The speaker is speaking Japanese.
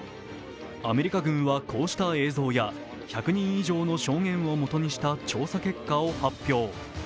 アメリカ軍はこうした映像や１００人以上の証言を元にした調査結果を発表。